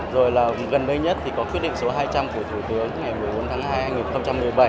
rồi là gần đây nhất thì có quyết định số hai trăm linh của thủ tướng ngày một mươi bốn tháng hai hai nghìn một mươi bảy